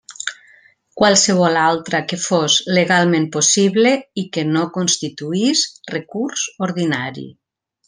Qualsevol altra que fos legalment possible i que no constituís recurs ordinari.